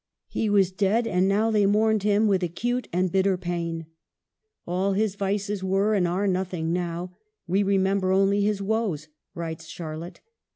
He was dead, and now they mourned him with acute and bitter pain. " All his vices were and are nothing now ; we remember only his woes," writes Charlotte.